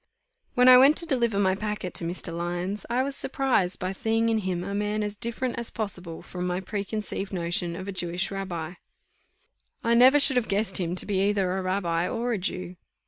When I went to deliver my packet to Mr. Lyons, I was surprised by seeing in him a man as different as possible from my preconceived notion of a Jewish rabbi; I never should have guessed him to be either a rabbi, or a Jew.